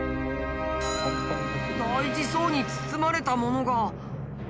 大事そうに包まれたものが。